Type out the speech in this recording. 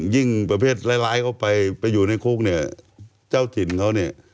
ประเภทร้ายเข้าไปไปอยู่ในคุกเนี่ยเจ้าถิ่นเขาเนี่ย